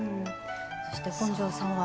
そして本上さんは。